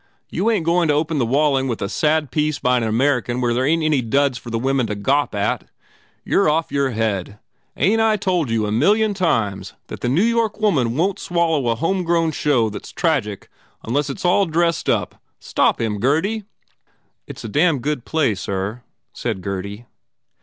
You ain t going to open the Walling with a sad piece by an American where there ain t any duds for the women to gawp at! You re off your head. Ain t I told you a million times that the New York woman won t swallow a home 147 THE FAIR REWARDS grown show that s tragic unless it s all dressed up? Stop him, Gurdy!" "It s a damned good play, sir," said Gurdy.